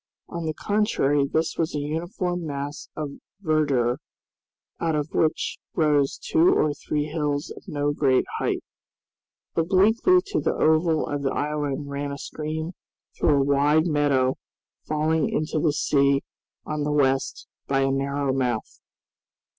On the contrary this was a uniform mass of verdure, out of which rose two or three hills of no great height. Obliquely to the oval of the island ran a stream through a wide meadow falling into the sea on the west by a narrow mouth.